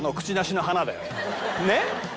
ねっ！